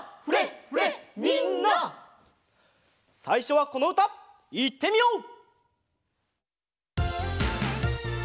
さいしょはこのうたいってみよう！